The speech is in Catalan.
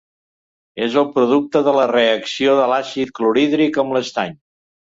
És el producte de la reacció de l'àcid clorhídric amb l'estany.